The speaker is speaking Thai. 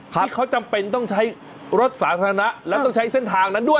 ที่เขาจำเป็นต้องใช้รถสาธารณะและต้องใช้เส้นทางนั้นด้วย